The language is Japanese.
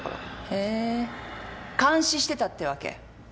へえ監視してたってわけ。